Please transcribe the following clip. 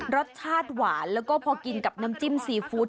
รสชาติหวานแล้วก็พอกินกับน้ำจิ้มซีฟู้ด